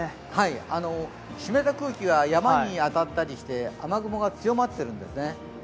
湿った空気が山に当たったりして雨雲が強まっているんですね。